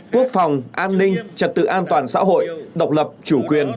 quốc phòng an ninh trật tự an toàn xã hội độc lập chủ quyền